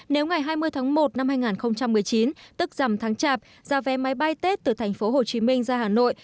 nếu ngày hai mươi tháng một năm hai nghìn một mươi chín tức dầm tháng chạp giá vé máy bay tết từ tp hcm ra hà nội